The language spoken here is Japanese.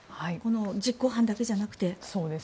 実行犯だけじゃなくて。